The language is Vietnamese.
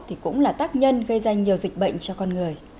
thì cũng là tác nhân gây ra nhiều dịch bệnh cho con người